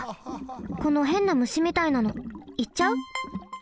このへんなむしみたいなのいっちゃう？